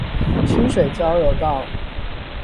清水交流道